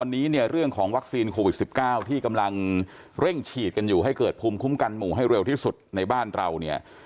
วันนี้เนี่ยเรื่องของวัคซีนโควิด๑๙ที่กำลังเร่งฉีดกันอยู่ให้เกิดภูมิคุ้มกันหมู่ให้เร็วที่สุดในบ้านเราเนี่ย